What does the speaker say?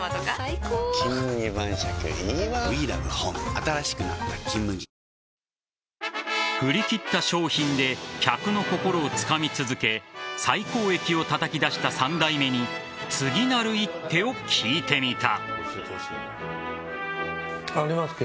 新しくなった振り切った商品で客の心をつかみ続け最高益をたたき出した３代目に次なる一手を聞いてみた。